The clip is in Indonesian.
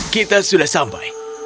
kita sudah sampai